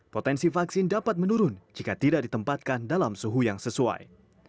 potensi vaksin dapat menurun jika tidak ditempatkan dalam suhu yang sesuai